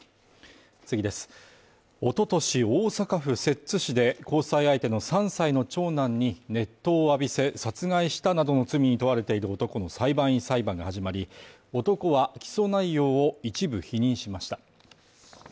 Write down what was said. おととし大阪府摂津市で交際相手の３歳の長男に熱湯を浴びせ殺害したなどの罪に問われている男の裁判員裁判が始まり、男は起訴内容を一部否認しました。